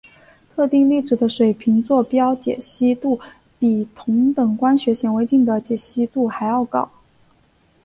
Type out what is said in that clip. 特定粒子的水平座标解析度比同等光学显微镜的解析度还要高。